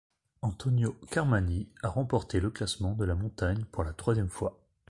Antonio Karmany a remporté le classement de la montagne pour la troisième fois.